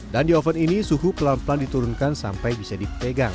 dan di oven ini suhu pelan pelan diturunkan sampai bisa dipegang